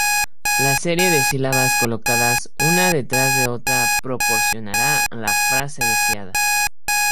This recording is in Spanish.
La serie de sílabas colocadas una detrás de otra proporcionará la frase deseada.